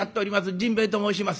甚兵衛と申します。